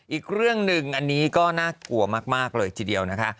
อีกเรื่องหนึ่งอันนี้ก็น่ากลัวมากเลยทีเดียวนะคะ